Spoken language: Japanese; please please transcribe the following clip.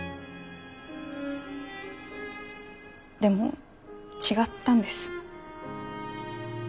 でも違ったんです。